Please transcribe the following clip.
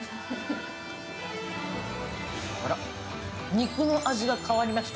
肉の味が変わりました。